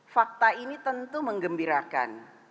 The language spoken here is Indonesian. fakta ini tentu menggembirakan